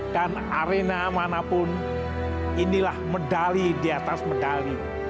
dan arena manapun inilah medali di atas medali